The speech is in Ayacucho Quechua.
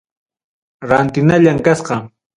Rantinallam kasqa.